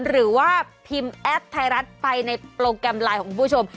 หรือว่าพิมพ์แอปไทยรัฐไปในโปรแกรมไลน์ของคุณผู้ชม